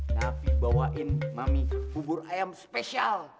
tapi bawain mami bubur ayam spesial